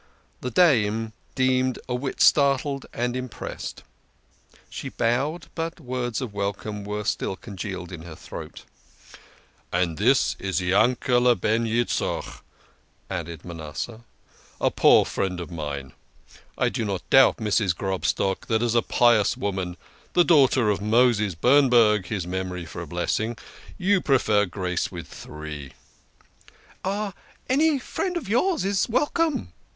The dame seemed a whit startled and impressed. She bowed, but words of welcome were still congealed in her throat. "And this is Yanked ben Yitzchok," added Manasseh. "A poor friend of mine. I do not doubt, Mrs. Grobstock, that as a pious woman, the daughter of Moses Bernberg (his memory for a blessing), you prefer grace with three." "Any friend of yours is welcome